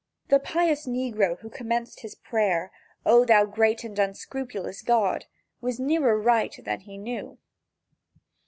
The pious negro who commenced his prayer: "O thou great and unscrupulous God," was nearer right than he knew.